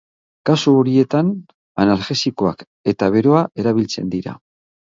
Kasu horietan analgesikoak eta beroa erabiltzen dira.